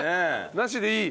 なしでいい？